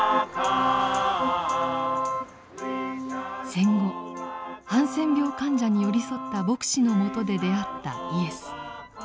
戦後ハンセン病患者に寄り添った牧師のもとで出会ったイエス。